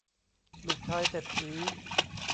ลูกชายเศรษฐี